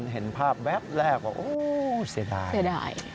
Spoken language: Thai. เห็นภาพแบบแรกว่าโอ้โฮเสียดาย